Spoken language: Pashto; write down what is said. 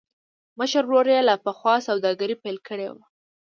مشر ورور يې لا پخوا سوداګري پيل کړې وه.